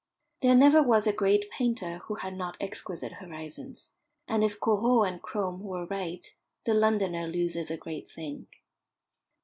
There never was a great painter who had not exquisite horizons, and if Corot and Crome were right, the Londoner loses a great thing.